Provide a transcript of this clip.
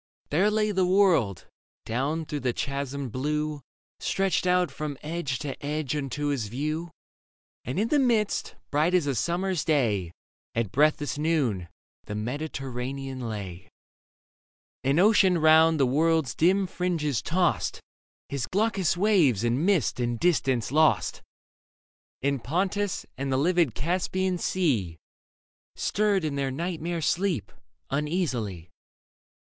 There lay the world, down through the chasmed blue, Stretched out from edge to edge unto his view ; And in the midst, bright as a summer's day At breathless noon, the Mediterranean lay ; And Ocean round the world's dim fringes tossed His glaucous waves in mist and distance lost ; And Pontus and the livid Caspian Sea Stirred in their nightmare sleep uneasily.